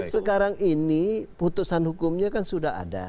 sekarang ini putusan hukumnya kan sudah ada